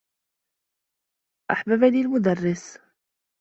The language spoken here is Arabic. أحببني المدرّس.